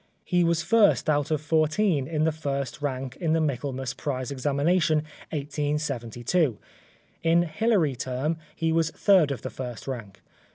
He was first out of fourteen in the First Rank in the Michaelmas Prize Examination 1872 ; in Hilary Term he was third of the First Rank.